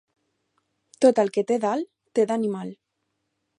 Tot el que té d'alt, té d'animal.